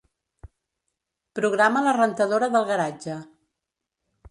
Programa la rentadora del garatge.